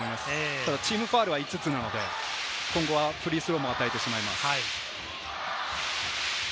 ただチームファウルは５つなので、今後はフリースローを与えてしまいます。